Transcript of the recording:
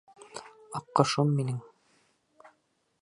Аҡҡошом минең!..